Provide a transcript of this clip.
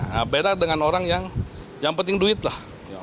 berbeda dengan orang yang yang penting duit lah